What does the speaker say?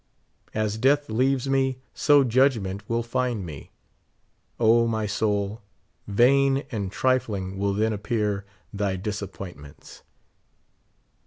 As death leaves me, so judgment will find me. O, my soul, vain and trifling will then appear thy disappointments.